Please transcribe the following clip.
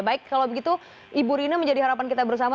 baik kalau begitu ibu rina menjadi harapan kita bersama